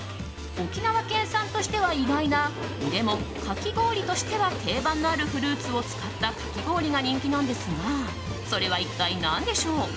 沖縄県産としては意外なでも、かき氷としては定番のあるフルーツを使ったかき氷が人気なんですがそれは一体何でしょう？